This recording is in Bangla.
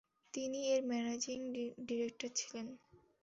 তিনি এর ম্যানেজিং ডিরেক্টর ছিলেন।